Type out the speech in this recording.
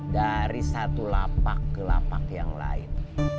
dari satu lapak ke lapak yang lain